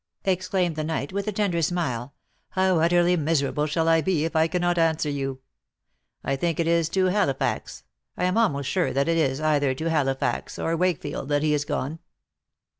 exclaimed the knight, with a tender smile, " how utterly miserable shall I be if I cannot answer you !— I think it is to Halifax, I am almost sure that it is either to Halifax or Wakefield that he is gone."